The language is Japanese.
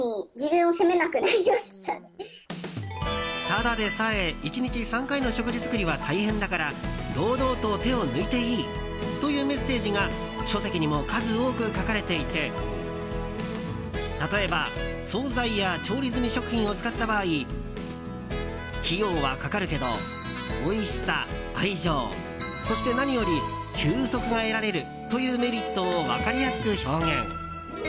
ただでさえ１日３回の食事作りは大変だから堂々と手を抜いていいというメッセージが書籍にも数多く書かれていて例えば総菜や調理済み食品を使った場合費用はかかるけどおいしさ、愛情そして何より休息が得られるというメリットを分かりやすく表現。